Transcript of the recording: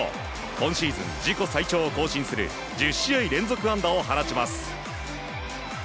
今シーズン自己最長を更新する１０試合連続安打を放ちます。